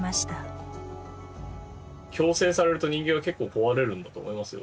強制されると人間は結構壊れるんだと思いますよ。